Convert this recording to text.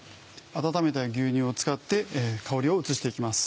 温めた牛乳を使って香りを移して行きます。